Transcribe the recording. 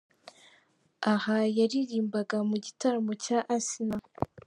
Aha yaririmbaga mu gitaramo cya Asinah.